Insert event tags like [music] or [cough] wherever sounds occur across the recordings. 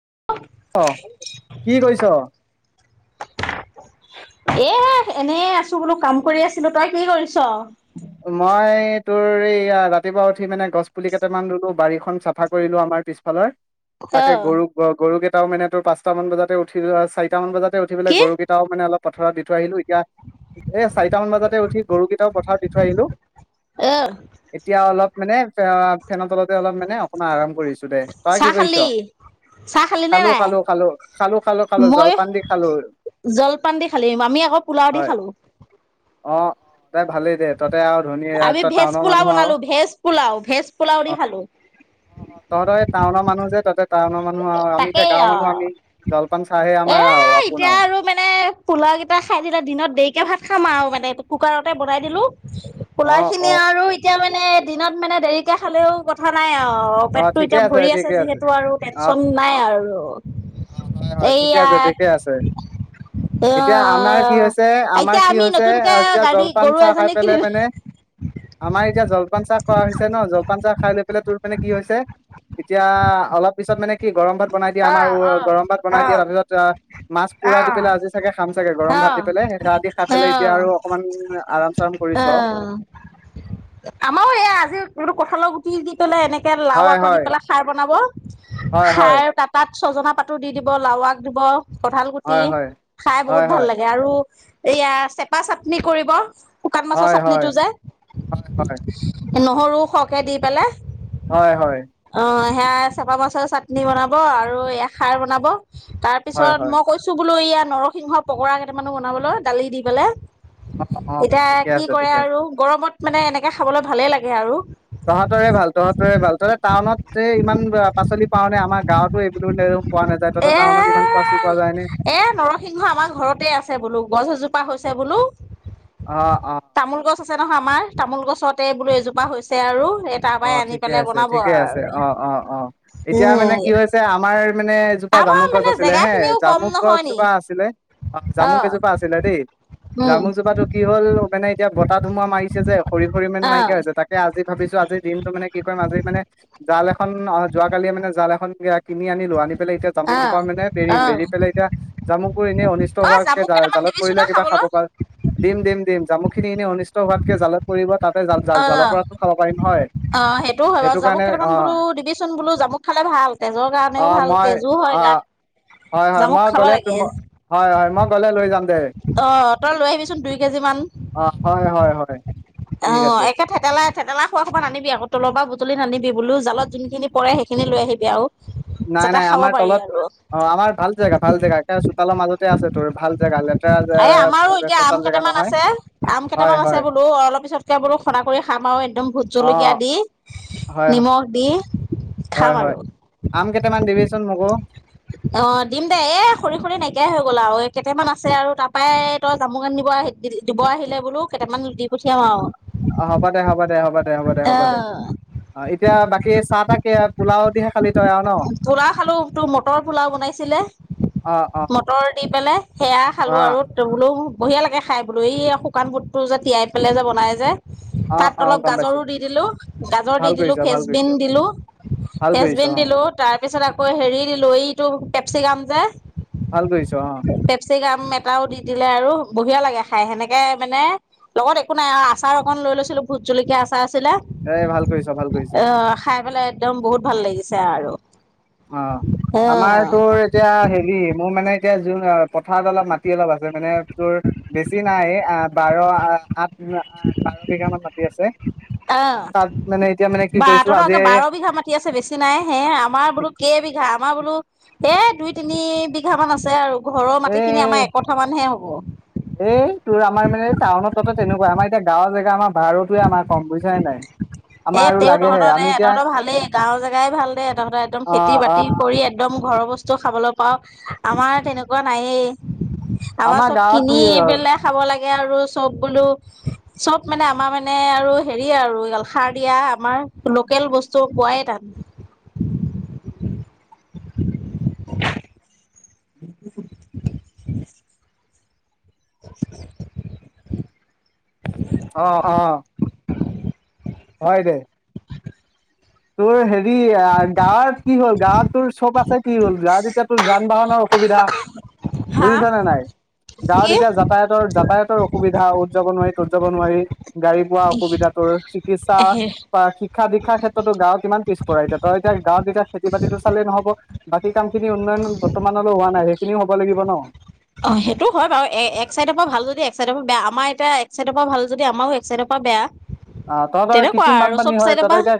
[unintelligible] অ' কি কৰিছ? এ, এনেই আছো বোলো কাম কৰি আছিলো। তই কি কৰিছো? মই তোৰ এই ৰাতিপুৱা উঠি মানে গছ পুলি কেইটামান বোলো, বাৰীখন চাফা কৰিলো আমাৰ পিছফালৰ। তাকে আহ গৰু গৰুকেই ত মানে তোৰ পাঁচটা মান বজাতে উঠি যোৱা চাৰিটা মান বজাত উঠি পেলাই কি গৰুকেইটাও মানে অলপ পথাৰত দি থৈ আহিলো এ এতিয়া এ চাৰিটামান বজাতে উঠি গৰুকেইটাও পথাৰ দি থই আহিলো আহ এতিয়া অলপ মানে আ ফেনৰ তলতে অলপ মা এনে অকণমান আৰাম কৰিছো দে তই কি চাহ কৰিছ'? খালি? চাহ খালি নে নাই? খালো-খালো-খালো-খালো-খালো-খালো মই জলপান দি খালো। জলপান দি খালি আমি আকৌ পোলাও দি হয় খালো অ, অ তই ভালেই দে ততে আৰু ধনী আমি তই ভেজ টাউনৰ পোলাও মানুহ আৰু বনালো ভেজ পোলাও ভেজ পোলাও অ দি খালো। তে টাউনৰ মানু তাকেই আৰু চাহে এ, আমাৰ আৰু আপোন এতিয়া আৰু মানে পোলাও কেইটা খাই দিলে দিনত দেৰিকে ভাত খামআৰু মানে কুকাৰত তে বনাই দিলো পোলাই অ', খিনি অ', আৰু এতিয়া মানে দিনত মানে দেৰিকে খালেও কথা নাই আৰু অ, পেটটো এতিয়া ভৰি আছে যিহেতু আৰু পেট অ', নাই অ'। আৰু অ, হয়-হয় এই ঠিকে আছে ঠিকে আহ আছে এতিয়া আমাৰ কি হৈছে আমাৰ এতিয়া কি আমি হৈছে নতুনকে এতিয়া গাড়ী জলপান গৰু চাহ খাই এজনী পেলাই কিনিলো মানে আমাৰ এতিয়া জল জলপান চাহ খোৱা হৈছে ন জলপান চাহ খাই লৈ তোৰ মানে কি হৈছে এতিয়া অলপ পিছত মানে কি গৰম ভাত বনাই দিয়ে আমাৰ গৰম ভাত বনাই দিয়া তাৰ পিছত আহ মাছ পুৰা দি পেলাই আজি চাগে খাম চাগে অ গৰম ভাত দি পেলাই হেয়া দি খাই অ পেলাই এতিয়া আৰু অকমান আৰাম চাৰাম অ কৰিছো আৰু কিন্তু কঠালৰ গুটি দি পেলই এনেক তে লাও হয় আকৌ দি হয় পেলাই খাৰ বনাব হয় খাই হয় আৰু তাত তাত ছজনা পাতো দি দিব লাও আগ দিব। কঠাল গুটি হয় হয় খাই বহুত হয় ভাল হয় লাগে আৰু এয়া চেপা চাটনি কৰিব শুকান মাছৰ হয় হয় চাটনিটোযে হয় নহৰু সৰহকৈ দি পেলাই হয় হয়। অ সেয়া চফা মাছৰ চাটনি বনাব। আৰু এয়া খাৰ বনাব। তাৰ হয় পিছত হয় মই কৈছোঁ বোলো এয়া। নৰসিংহৰ পকৰা কেইটামানো বনাবলৈ দালি দি পেলাই। অ অ এতিয়া ঠিকে কি আছে কৰে ঠিকে আছে আৰু গৰমত মানে এনেকে খাবলৈ ভালেই লাগে আৰু। তে ইমান পাচলি পাওঁ নে আমাক। গাঁৱতো এইবো এ এ নৰসিংহ আমাৰ ঘৰতে আছে বোলো গছ এজোপা হৈছে। আছে বোলো। অ অ। তামোল গছ আছে নহয় আমাৰ তামোল গছতে বোলো এজোপা হৈছে আৰু। এই তাৰ অ পৰাই আনি ঠিকে পেলাই আছে বনাব ঠিকে আছে আৰু অ অ অ এ এতিয়া মানে কি হৈছে আমাৰ। মানে এজোপা আমাৰ জামুক গছ মানে আছিলে জেগা হে খিনিও কম জামুক নহয় নি গছজোপা আছিলে অ জামুক এজোপা আছিলে দেই উম জামুক জোপাটো কি হ'ল মানে এতিয়া বতাহ ধুমুহা মাৰিছে যে সৰি সৰি মানে অ নাইকিয়া হৈছে তাকে আজি ভাবিছো আজি। দিনটো মানে কি কৰিম আজি মানে জাল এখন অ যোৱা কালি মানে জাল এখন। কিনি আনিলো আনি পেলাই এতিয়া জামুক জোপা মানে বেৰিম অ অ বেৰি পেলাই এতিয়া। জামুকবোৰ এনেই অনিষ্ট অ হোৱাকে জামুক কেইটামান জালত দিবিচোন পৰিলে আৰু কিবা খাব খাবলৈ। পাৰ দিম দিম দিম জামুক। খিনি এনে। হোৱাতকে জালত পৰিব। তাতে জাল অ জালৰ পৰাতো খাব পাৰিম হয়। অ সেইটোও হয় বাৰু সেইটো জামুক কাৰণে কেইটামান অ বোলো দিবিচোন বোলো জামুক খালে ভাল তেজৰ কাৰণেও অ ভাল মই তেজো হয় অ গাত। হয়- হয় জামুক মই খাব গ'লে ত লাগে হয়-হয় মই গ'লে লৈ যাম দে অ' তই লৈ আহিবিচোন দুই কেজি মান। অ হয় হয় হয় ঠিক অ' আছে একে থেতেলা-থেতেলা খোৱা সোপা নানিবি আক কৌ তলৰ পৰা বুটলি নানিবি বোলো জালত যোনখিনি পৰে সেইখিনি লৈ আহিবি। এতিয়াও নাই-নাই আমাৰ তলত অ আমাৰ ভাল জেগা- ভাল জেগা চোতালৰ মাজতে আছে তোৰ ভাল জেগা এ লেতেৰা আমাৰো এতিয়া আম ভেচাল জেগা কেইটামান নহয় আছে হয়- হয়। এতিয়া বোলো সনা কৰি খাম আৰু একদম ভোট অ জলকীয়া দি হয় হয় নিমখ দি। [inaudible] খাম হয়, আৰু হয় আম কেইটামান দিবিচোন মোকো? অ' দিম দে এ সৰি সৰি নাইকিয়াই হৈ গ'ল আৰু, কেইটামান আ আছে আৰু তাপা তই [unintelligible] দিব -আহি- দিব আহিলে বোলো কেইটামান দি পঠিয়াম আও। অ হ'ব দে হ'ব দে হ'ব দে হ'ব দে হ'ব দে অ, এতিয়া বাকী চাহ তাকে পোলাও দিহে খালি তই আৰু ন। পোলাও খালো তোৰ মটৰ পোলাও বনাইছিলে, অ অ মটৰ দি পেলাই সেয়া খালো অ আৰু বোলো বঢ়িয়া লাগে খাই বোলো এই শুকান বোটটো যে তিয়াই পেলাই যে বনাই যে। অ তাত অ অলপ গম পাইছো গাজৰো দি দিলো, গাজৰ দি ভাল দিলো কৰিছ ভাল ফ্ৰেচবিন কৰিছ দিলো, ভাল কৰিছ ফ্ৰেচবিন অ দিলো তাৰ পিছত আকৌ হেৰি। এই লৈ এইটো পেচিকাপ যে। ভাল কৰিছ অহ। মেটাও দি দিলে আৰু বঢ়িয়া লাগে খাই সেনেকে মানে, লগত একো নাই আৰু আচাৰ অকণ লৈ লৈছিলোঁ ভোট জলকীয়া আচাৰ। আচাৰ আছিলা, এই ভাল কৰিছ ভাল কৰিছ অহ খাই পেলাই একদম বহুত ভাল লাগি। ছে আৰু। অহ, অ আমাৰ তোৰ এতিয়া হেৰি মোৰ মানে। এতিয়া যোন অহ। পথাৰত অলপ মাটি অলপ আছে মানে, তোৰ বে। ছি নাই এই অহ বাৰ আঠ। উ বাৰ বিঘা মান মাটি আছে, অ তাত মানে এতিয়া মানে কি বা কৰিছো, আজি তহঁতৰ বাৰ মাটি আছে বেছি নাই হে আমাৰ বোলো কে বিঘা আমাৰ বোলো এ। এই দুই তিনি, বিঘা মান আছে আৰু। ঘৰৰ এ মাটিখিনি আমাৰ একঠা মান হে' হ। অ' এই তোৰ আমাৰ মানে টাউন ততে তেনেকুৱা আমাৰ এতিয়া গাঁৱৰ জেগা ন। বাৰু তোৱে আমাৰ কম বুজিছা নে নাই। আমাৰ এই আৰু তেওঁ লাগেহে তহঁতৰ আমি এ এতিয়া তহঁতৰ ভালেই গাঁৱৰ জেগাই ভাল দে, তহঁতৰ একদম খেতি অ', বাতি অ', কৰি একদম ঘৰৰ বস্ত চৌ খাবলৈ অলপ। খাৱ। আমাৰ তেনেকুৱা নাই য়ে। আমাৰ চব গাঁৱত কি কিনি পেলাই খাব লাগে। আৰু চব বোলো চব মানে আমাৰ মানে আৰু হেৰি আৰু সাৰ দিয়া আমাৰ। লোকেল বস্তু পোৱাই টান। [inaudible] [inaudible] [inaudible] অঁ-অঁ। হয় দে। তোৰ হে ৰি গাঁৱত কি হ'ল গাঁৱত তোৰ চব আছে কি হ'ল গাঁৱত এতিয়া তোৰ যান বাহনৰ অসুবিধা হা বুজিছ নে নাই কি গাঁৱত এতিয়া যাতায়তৰ- যাতায়াতৰ অসুবিধা অ'ত যাব নোৱাৰি ট'ত যাব নোৱাৰি। গাড়ী পোৱা অসুবিধাটোৰ চিকিৎসা বা শিক্ষা দীক্ষা ক্ষেত্ তো গাঁৱত কিমান পিছপৰা এতিয়া তই এতিয়া গাঁৱত এতিয়া খেতি বাতিতো চালেই নহ'ব। বাকী কাম খিনি উন্নয়ন বৰ্তমানলৈ হোৱা নাই সেইখিনিও হ'ব লাগিব ন। অঁ সেইটো হয় বাৰু এ এক চাইডৰ পৰা ভাল যদি এক চাইডৰ পৰা বেয়া আমাৰ এতিয়া এক চাইডৰ পৰা ভাল যদি আমাৰো এক চাইডৰ পৰা বেয়া। আহ তহঁতৰ তেনেকুৱা কৃত্ৰিম আৰু চব বানপানী হয় চাইডৰ তহঁতৰ পৰা এতিয়া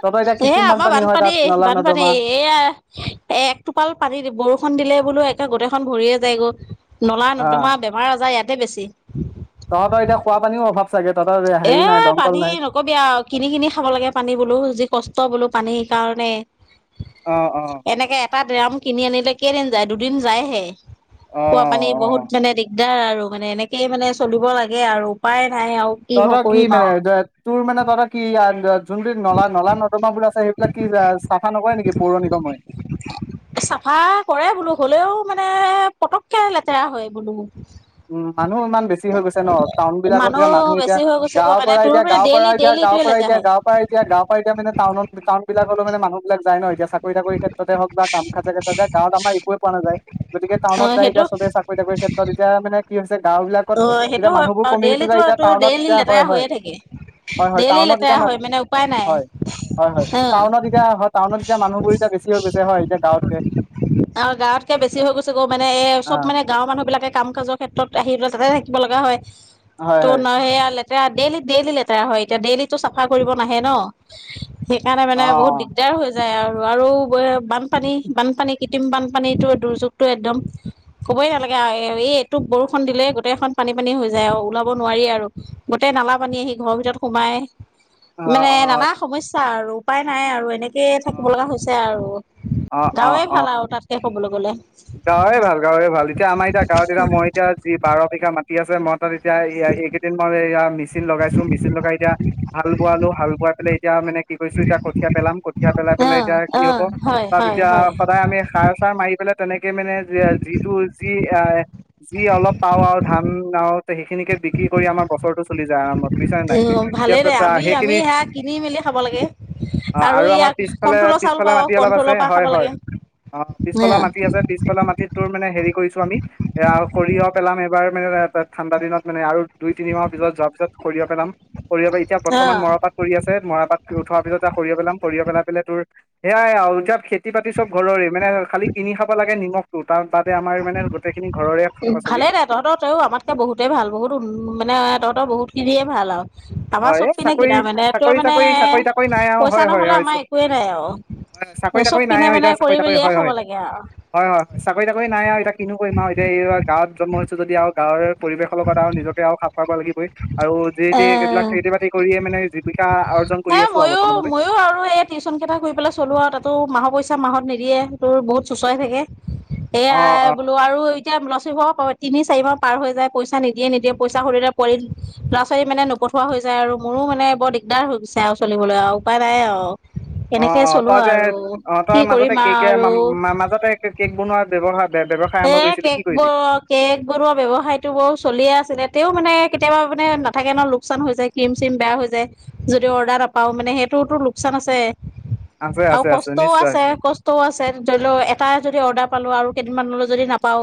তহঁতৰ এতিয়া এ কৃত্ৰিম আমাৰ হয় তাত বানপানী- নলা বানপানী, নৰ্দমা এয়া এক টোপাল পানী দি বৰষু বোলো একে গোটেইখন ভৰিয়ে যায় গ' নলা আহ নৰ্দমা বেমাৰ আজাৰ ইয়াত তে বেছি। তহঁতৰ এতিয়া খোৱা পানীও অভাৱ চাগে তহঁতৰ এ হেৰি নাই দমকল পানী নাই। নকবি আৰু কিনি- কিনি খাব লাগে পানী বোলো যি কষ্ট বোলো পানী কাৰণে। অঁ-অঁ। এনেকে এটা ড্ৰাম কিনি আনিলে কেইদিন যায় দুদিন যায়হে। খোৱা পানী অ', বহুত অ'। মানে যেনে দি দাৰ আৰু মানে এনেকেই মানে চলিব লাগে আৰু উপায় নাই আও। তহতৰ কি মানে তোৰ মানে তহতৰ কি [unintelligible] যোনবিধ নলা নলা-নৰ্দমাবোৰ আছে সেইবিলাক কি চাফা নকৰে নেকি পৌৰনিগমে? এ পতককে লেতেৰা হয় এইবোৰ বহুত। উম, মানুহ ইমান বেছি হৈ গৈছে ন' টাউন বিলাকত এতিয়া মানুহ এতিয়া বেছি হৈ গৈছে গৈ গাঁৱৰ মানে পৰা তোৰ এতিয়া মানে গাও পৰা ডেইলি এতিয়া ডেইলি গাঁৱ এইটোৱে পৰা লেতেৰা হয় এতিয়া গাৱ [unintelligible] মানে টাউন টাউন বিলাকতো মানুহবিলাক যায় ন' এতিয়া। চাকৰি-তাকৰি ক্ষেত্ৰতে হওক বা কাম কাজ ক্ষেত্ৰতে গাঁওত আমাৰ একোৱে পোৱা নাযায়। গতিকে অ টাউনত যায় সেইটো এতিয়া ছবে চাকৰি- টাকৰি ক্ষেত্ৰত। কি [unintelligible] গাঁও বিলাকত অ সেইটো এতিয়া হয় মানুহবোৰ বাৰু কমি গৈছে, যে ডেইলিতো এতিয়া তোৰ টাউনত ডেইলি এতিয়া লেতেৰা হয় হয় হৈয়ে থাকে হয় হয় ডেইলি টাউনত এতিয়া লেতেৰা হয় মানে উপায় নাই হয় হয় অ টাউনত এতিয়া হয় টাউনত এতিয়া মানুহবোৰ এতিয়া বেছি হৈ গৈছে হয় এতিয়া গাঁওতকে। আৰু গাঁৱতকে বেছি হৈ অ'। কাম-কাজৰ ক্ষেত্ৰত আহি। তাতে থাকিব লগা হয়। হয়, ট হয়, নহে আলেত ডেইলি ডেইলি লেতেৰা হয়, এতিয়া ডেইলিতো চাফা কৰিব নাহে ন। সেইকাৰণে অ', মানে বহুত দিগদাৰ হৈছে। আৰু আৰু বানপানী, বানপানী কৃত্ৰিম বানপানীটো দুৰ্যোগতটো একদম ক'বই নালাগে আৰু এই এটোপ বৰষুণ দিলে গোটেইখন পানী পানী হৈ যায় আৰু ওলাব নোৱাৰি আৰু গোটেই নালা পানী আহি ঘৰৰ ভিতৰত সোমাই। অ', মানে নানা অ', সমস্যা আৰু উপায় নাই আৰু এনেকে অ', থাকিব লগা হৈছে আৰু, অ', অ', গাঁৱে অ'। ভাল আৰু তাতকে। ক'বলৈ গ'লে। গাঁৱে ভাল গাঁৱে ভাল, এতিয়া আমাৰ এতিয়া গাঁৱত এতিয়া মই এতিয়া যি বাৰ বিঘা মাটি আছে মত [unintelligible] তাত এতিয়া এয়া একেইদিন মানে এয়া মেচিন লগাইছো, মেচিন লগাই এতিয়া হাল বোৱালো, হাল বোৱাই পেলাই এতিয়া মানে কি কৰিছো এতিয়া কঠিয়া পেলাম। কঠিয়া পেলাই অ', পেনে এতিয়া কি হব অ', হয়, তাত হয়, এতিয়া হয়, সদায় আমি সাৰ চাৰ মাৰি পেলাই তেনেকে মানে যিটো যি এ যি অলপ পাও আৰু ধান আৰু সেইখিনিকে বিক্ৰী কৰি আমাৰ বছৰটো চলি যায় আৰামত। বুজিছানে অ নাই এতিয়া ভালেই দে আমি আমি সেইখিনি সেয়া কিনি মেলি খাব লাগে অ আৰু আমাৰ ইয়াক পিছফালে কন্ট্ৰলৰ চাউল পিছফালে পাওঁ মাটি অলপ আছে কন্ট্ৰলৰ পৰা খাব লাগে। খেতি আছে পিছফালৰ মাটিত। ত মানে হেৰি কৰিছো আমি, এ সৰিয়হ পেলাম এইবাৰ মানে ঠাণ্ডা দিনত মানে আৰু দুই তিনি মাহৰ পিছত যোৱাৰ পিছত সৰিয়হ পেলাম, সৰিয়হ পৰা এতিয়া বৰ্তমান অ', মৰাপাত পৰি আছে, মৰাপাত উঠোৱা পিছতে সৰিয়হ পেলাম, সৰিয়হ পেলাই পেলাই তোৰ সেয়াই আৰু এতিয়া খেতি, খেতি বাতি চব ঘৰৰে মানে, খালী খাব লাগে নিমখ টো তাৰ তাত আমাৰ মানে গোটেইখিনি ঘৰৰে, শাক উ পাচলি ভালেই দে তহঁতৰ তইও আমাতকে বহুতেই ভাল বহুতো মানে তহঁতৰ বহুত খিনিয়ে ভাল আৰু আমাৰ হয় চব পিনে চাকৰি কিনা মানে তোৰ চাকৰি মানে চাকৰি চাকৰি তাকৰি নাই আৰু পইচা হয় হয় নহ'লে হয় আমাৰ একোৱে নাই আৰু চাকৰি চব তাকৰি নাই পিনে আৰু এ মানে চাকৰি কৰি তাকৰি মেলিয়ে হয় খাব হয় লাগে আৰু হয় হয় চাকৰি তাকৰি নাই আৰু এ কিনো কৰিম আৰু এতিয়া এই গাঁৱত জন্ম হৈছো যদি আৰু গাঁৱৰ পৰিবেশৰ লগত নিজকে খাপ খাব লাগিবই আৰু যি এ তি হে এইবিলাক খেতি বাতি কৰিয়ে মানে জীৱিকা অৰ্জন কৰি আছো আৰু ময়ো বৰ্তমানলৈ ময়ো আৰু এই টিউচন কেইটা কৰি পেলাই চলো আৰু তাতো মাহৰ পইচা চা মাহত নিদিয়ে, তোৰ বহুত চোঁচৰাই থাকে। অ সেয়াই অ বোলো আৰু এতিয়া লছ তিনি-চাৰি মাহ পাৰ হৈ যায়, পইচা নিদিয়ে নিদিয়ে, পইচা খুঁজিলে কৰি, ল'ৰা ছোৱালী মানে নপঠোৱা হৈ যায় আৰু মোৰো মানে বৰ দিগদাৰ হৈ গৈছে আৰু চলিবলৈ আৰু উপায় নাই আৰু। অ কেনেকে অ চলো তই যে আৰু অ কি তই কৰিম মাজতে কেকে আৰু, মাজতে কেক বনোৱা ব্যৱহাৰ ব্যৱসায় আৰম্ভ সেয়াই কৰিছিলি কি কে'ক কৰিলি ব-কে'ক বনোৱা ব্যৱসায়টো বাৰু চলিয়ে আছিলে তেওঁ মানে কেতিয়াবা মানে নাথাকে ন, লোকচান হৈ যায় ক্ৰীম চিম বেয়া হৈ যায় যদি অৰ্ডাৰ নাপাওঁ মানে, সেইটোতো লোকচান আছে। আছে আৰু আছে কষ্টও নিশ্চয় আছে, কষ্টও আছে ধৰি ল এটাই যদি অৰ্ডাৰ পালো আৰু কেইদিনমানলৈ যদি নাপাওঁ।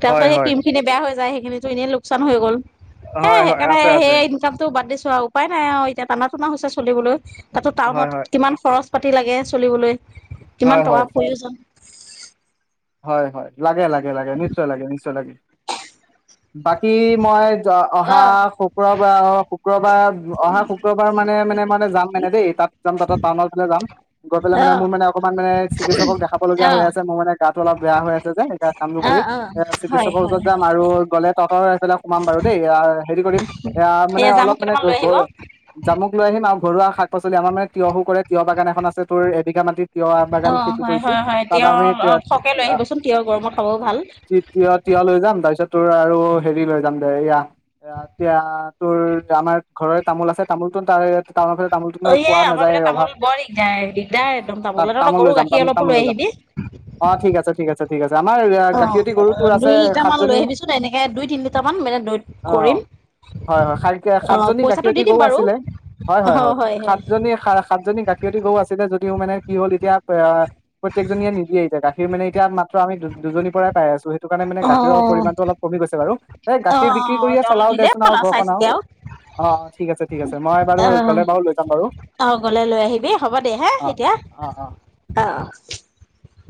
তাৰ পিছত হয় সেই হয় ক্ৰীমখিনি বেয়া হৈ যায়, সেইখিনিটো এনে লোক চান হৈ গ'ল। হেই হয় হয় সেইকাৰণে আছে আছে সেই ইনকামটো বাদ দিছো আৰু। উপাই নাই আৰু, এতিয়া টানা-টোনা হৈছে চলিবলৈ। তাতো হয় হয় টাউনত কিমান খৰচ পাতি লাগে চলিবলৈ। হয় কিমান হয় টকাৰ প্ৰয়োজন। হয় হয়, লাগে লাগে লাগে, নিশ্চয় লাগে, নিশ্চয় লাগে। বাকী মই অহা অ', শুক্ৰবাৰ অ' শুক্ৰবাৰ অহা শুক্ৰবাৰ মানে-মানে-মানে যাম মানে দেই তাত। যাম বাতত টাউনত যাম। গৈ পেলাই মানে অ', মোৰ মে অকমান মানে চিকিৎসকক দেখাব লগীয়া হৈ অ', আছে মই মানে গাতো অলপ বেয়া হৈ আছে যে। কাম বোৰ কৰি অ', অ', এ হয়, চিকিৎসকৰ ওচৰত হয়, যাম। হয়। আৰু গ'লে তহ'তৰ বেলা সোমাম বাৰু দেই, আৰু হেৰি কৰিম এয়া মানে অলপ জামুক মানে কেইটামান লৈ ঘ আহিব। অ', জামুক লৈ আহিম ঘৰুৱা শাক পালি আমাৰ মানে তিঁয়হো কৰে তিয়ঁহ বাগান এখন আছে তোৰ বিঘা মাটিত তিয়ঁহ বাগান খেতি হয়, কৰিছো। হয়, হয়, তাত তিয়হ আমি সৰহকে লৈ আহিবচোন তিয়হ গৰমত খাবও ভাল। তিয়ঁহ, তিয়ঁহ লৈ যাম। তাৰপিছত তোৰ আৰু হেৰি লৈ যাম দে এয়া, এতিয়া তোৰ আমাৰ ঘৰৰে তামোল আছে, তামোল তো তাৰ ইয়াত অয় আমাৰ পে তামোল বৰ দিগদাৰ, অ দিগদাৰ একদম তাত তামোল ত' তই লৈ গৰু যাম গাখীৰ তামোল অলপো তামোল লৈ যাম আহিবি। অ' ঠিক আছে, ঠিক আছে, ঠিক আছে। আমাৰ অ', গাখিয়তি গৰুটো আছে দুই লিটাৰ মান সাতজনী লৈ আহিবিচোন এনেকে দুই তিনি লিটাৰ মান মানে দৈত কৰিম। অ' হয়- হয়, অ', সাতজনী পইচাটো গাখিয়তি দি দিম গৰু বাৰু আছিলে অ', হয়-হয়-হয়, হয়, হয়। সাতজনী স সাতজনী গাখিয়তি গৰু আছিলে যদিও মানে কি হ'ল এতিয়া এ প্ৰত্যেকজনিয়ে নিদিয়ে অহ। মানে এতিয়া আমি দুজনীৰ পৰাই পাই আছো, সেইটো কাৰণে মানে গাখীৰৰ অ', পৰিমাণটো অলপ কমি গৈছে বাৰু এই গাখীৰ বিক্ৰী কৰিয়ে অ', চলাও দিলে দেচোন হ'ল আৰু চাই ঘৰখন আৰু চিতি অ' ঠিক আছে ঠিক আছে মই বাৰু অ', গ'লে বাৰু লৈ যাম বাৰু অ', গ'লে লৈ আহিবি হ'ব দে হা এতিয়া অ'-অ'- অ'। [inaudible]